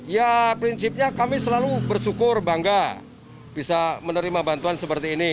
ya prinsipnya kami selalu bersyukur bangga bisa menerima bantuan seperti ini